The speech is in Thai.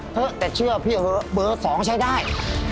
เฮ้แต่เชื่อพี่เฮ้เบอร์๒ใช้ได้